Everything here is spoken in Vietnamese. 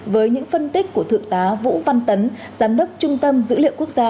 với những phân tích của thượng tá vũ văn tấn giám đốc trung tâm dữ liệu quốc gia